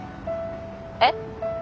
えっ？